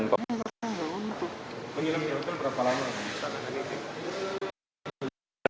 penyidik di hotel berapa lama